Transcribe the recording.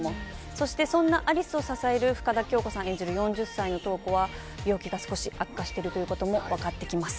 そして、そんな有栖を支える深田恭子さん演じる４０歳の瞳子は病気が少し悪化しているということも分かってきます。